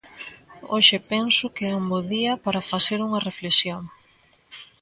Hoxe penso que é un bo día para facer unha reflexión.